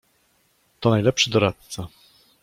"To najlepszy doradca."